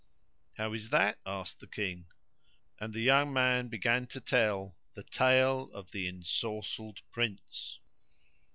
"How is that?" asked the King, and the young man began to tell The Tale of the Ensorcelled Prince.